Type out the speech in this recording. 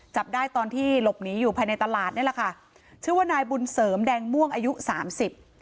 จับได้ตอนที่หลบหนีอยู่ภายในตลาดนี่แหละค่ะชื่อว่านายบุญเสริมแดงม่วงอายุสามสิบ